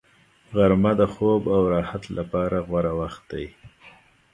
غرمه د خوب او راحت لپاره غوره وخت دی